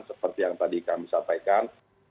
seperti yang tadi kami sampaikan